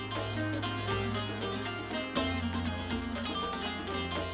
selain itu dia juga mengajarkan anaknya berpuasa